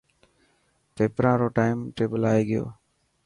پيپران رو ٽائم ٽيبل آي گيو.